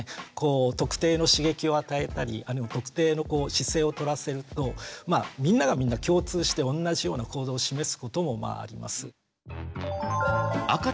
特定の刺激を与えたり特定の姿勢をとらせるとみんながみんな共通して同じような行動を示すこともまああります。